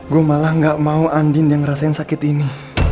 gua malah gak mau andi ngerasain sakit ini